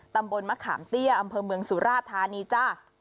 ตำบลมะขามเตี้ยอำเภอเมืองสุราธานีจ้า